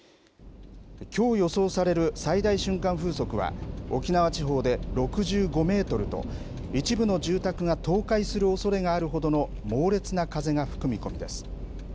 きょう予想される最大瞬間風速は、沖縄地方で６５メートルと、一部の住宅が倒壊するおそれがあるほどの猛烈な風が吹く見込みです。